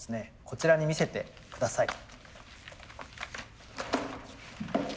こちらに見せて下さい。